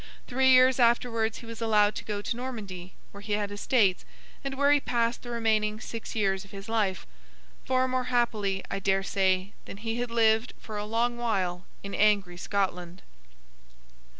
Three years afterwards he was allowed to go to Normandy, where he had estates, and where he passed the remaining six years of his life: far more happily, I dare say, than he had lived for a long while in angry Scotland.